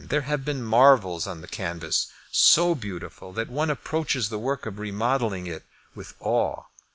There have been marvels on the canvas so beautiful that one approaches the work of remodelling it with awe.